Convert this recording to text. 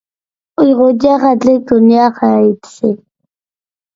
ئۇيغۇرچە خەتلىك دۇنيا خەرىتىسى.